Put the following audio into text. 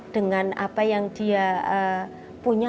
dengan apa yang dia punya